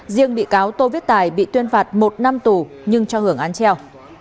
riêng bị cáo tô viết tài bị tuyên phạt một năm tù nhưng cho hưởng án treo